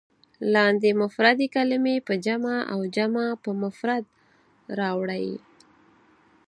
لاندې مفردې کلمې په جمع او جمع په مفرد راوړئ.